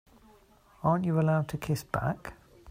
Aren't you allowed to kiss back?